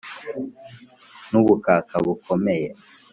N'ubukaka bukomeye